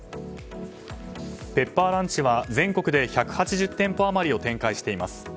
ペッパーランチは全国で１８０店舗余りを展開しています。